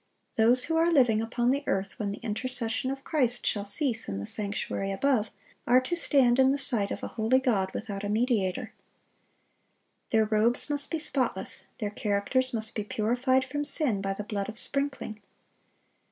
(699) Those who are living upon the earth when the intercession of Christ shall cease in the sanctuary above, are to stand in the sight of a holy God without a mediator. Their robes must be spotless, their characters must be purified from sin by the blood of sprinkling.